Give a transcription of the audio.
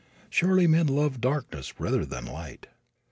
Surely, men love darkness rather than light."